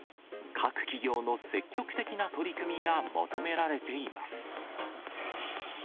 各企業の積極的な取り組みが求められています。